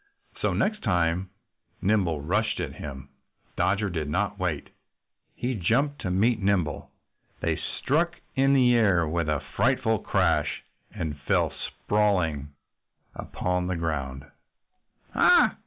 So the next time Nimble rushed at him Dodger did not wait. He jumped to meet Nimble. They struck in the air with a frightful crash and fell sprawling upon the ground. "Ha!